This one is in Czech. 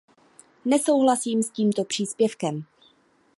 Nesouhlasím s tímto příspěvkem.